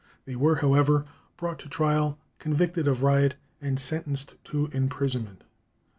They were, however, brought to trial, convicted of riot, and sentenced to imprisonment.